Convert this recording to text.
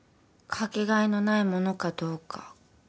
掛け替えのないものかどうか。